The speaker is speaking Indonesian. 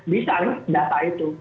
bisa data itu